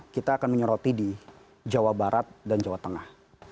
kita akan menyoroti di jawa barat dan jawa tengah